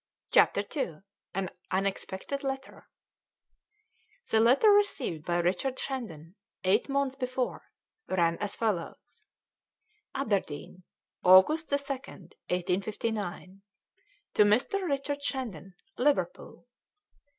CHAPTER II AN UNEXPECTED LETTER The letter received by Richard Shandon, eight months before, ran as follows: "ABERDEEN, "August 2nd, 1859. "To Mr. Richard Shandon, "Liverpool.